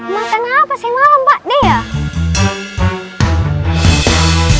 makan apa siang malam pak de